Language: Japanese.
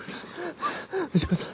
藤子さん！